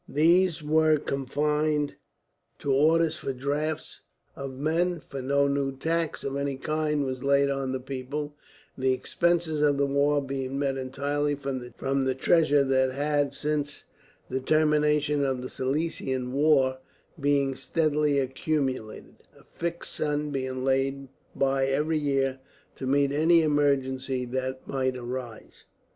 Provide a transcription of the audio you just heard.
These were confined to orders for drafts of men, for no new tax of any kind was laid on the people; the expenses of the war being met entirely from the treasure that had, since the termination of the Silesian war, been steadily accumulating, a fixed sum being laid by every year to meet any emergency that might arise.